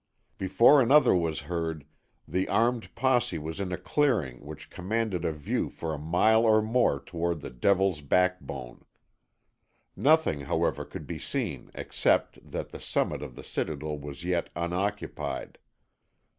Before another was heard, the armed posse was in a clearing which commanded a view for a mile or more toward the "Devil's Backbone." Nothing, however, could be seen except that the summit of the citadel was yet unoccupied.